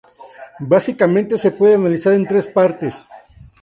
Básicamente se puede analizar en tres partes.